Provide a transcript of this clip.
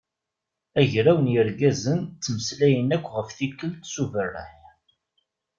Agraw n yirgazen ttmeslayen akk ɣef tikelt s uberreḥ.